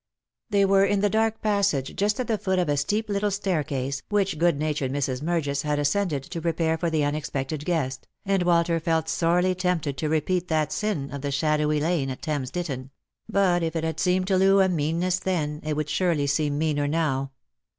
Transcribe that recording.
They were in the dark passage just at the foot of a steep little staircase, which good natured Mrs. Murgis had ascended to prepare for the unexpected guest, and Walter felt sorely tempted to repeat that sin of the shadowdy lane at Thames Ditton ; but if it had seemed to Loo a meanness then, it would surely seem meaner now.